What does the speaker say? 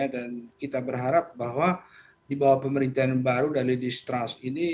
dan kita berharap bahwa di bawah pemerintahan baru dari listras ini